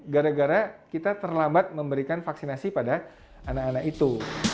gara gara kita terlambat memberikan vaksinasi pada anak anak itu